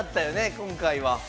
今回は。